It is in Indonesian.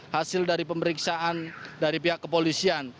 hasil dari pemeriksaan dari pihak kepolisian